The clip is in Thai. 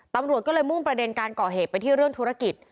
ตำรวจก็เลยมุ่งประเด็นการก่อเหตุไปที่เรื่องธุรกิจ